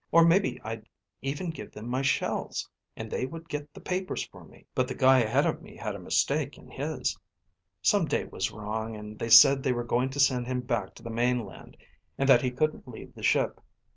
Or maybe I'd even give them my shells, and they would get the papers for me. But the guy ahead of me had a mistake in his. Some date was wrong, and they said they were going to send him back to the mainland and that he couldn't leave the ship.